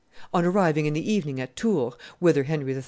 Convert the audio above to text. On arriving in the evening at Tours, whither Henry III.